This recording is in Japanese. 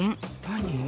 何？